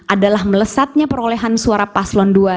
adalah melesatnya perolehan suara paslon dua